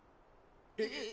えっ。